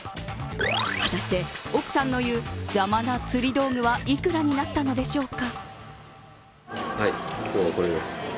果たして奥さんの言う邪魔な釣り道具はいくらになったのでしょうか？